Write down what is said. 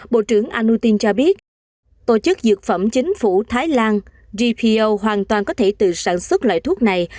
bộ trưởng anutin cho biết tổ chức dược phẩm chính phủ thái lan gpo hoàn toàn có thể tự sản xuất loại thuốc này